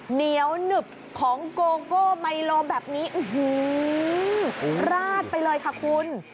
เหนียวหนึบของโกโก้ไมโลแบบนี้ราดไปเลยค่ะคุณ